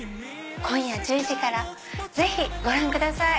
今夜１０時からぜひご覧ください。